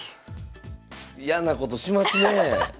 嫌なことしますねえ。